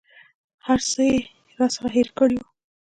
هر څه یې راڅخه هېر کړي وه.